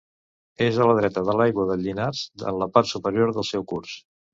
És a la dreta de l'Aigua de Llinars en la part superior del seu curs.